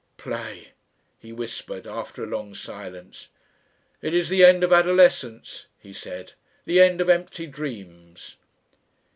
"Play," he whispered after a long silence. "It is the end of adolescence," he said; "the end of empty dreams...."